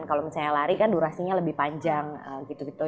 kalau misalnya lari kan durasinya lebih panjang gitu gitu